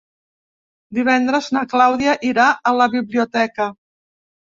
Divendres na Clàudia irà a la biblioteca.